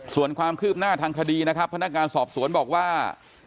ส่วนความคืบหน้าทางคดีนะครับพนักงานสอบสวนบอกว่า